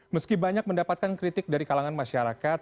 meski banyak mendapatkan kritik dari kalangan masyarakat